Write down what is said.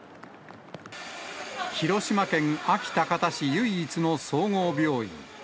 広島県安芸高田市唯一の総合病院。